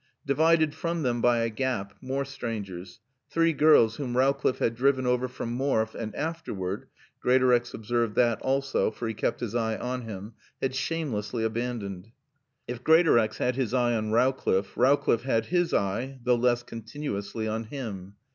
Divided from them by a gap, more strangers, three girls whom Rowcliffe had driven over from Morfe and afterward (Greatorex observed that also, for he kept his eye on him) had shamelessly abandoned. If Greatorex had his eye on Rowcliffe, Rowcliffe had his eye, though less continuously, on him.